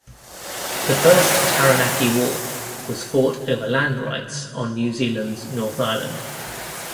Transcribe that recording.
The First Taranaki War was fought over land rights on New Zealand's North Island.